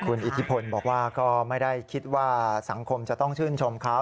คุณอิทธิพลบอกว่าก็ไม่ได้คิดว่าสังคมจะต้องชื่นชมเขา